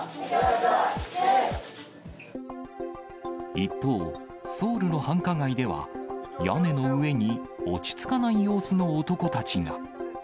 一方、ソウルの繁華街では、屋根の上に落ち着かない様子の男たちが。